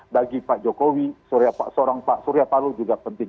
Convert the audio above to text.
bagi pak jokowi seorang pak surya paloh juga penting